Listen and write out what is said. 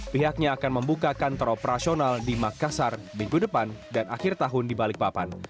pihaknya akan membuka kantor operasional di makassar minggu depan dan akhir tahun di balikpapan